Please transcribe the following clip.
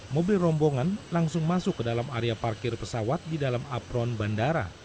mobil rombongan langsung masuk ke dalam area parkir pesawat di dalam apron bandara